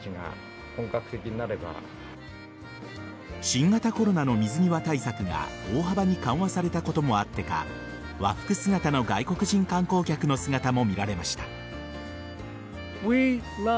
新型コロナの水際対策が大幅に緩和されたこともあってか和服姿の外国人観光客の姿も見られました。